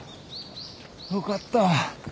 よかった。